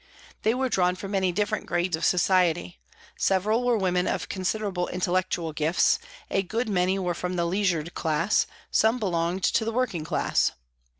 They were drawn from many different grades of society. Several were women of con siderable intellectual gifts, a good many were from the leisured class, some belonged to the working class.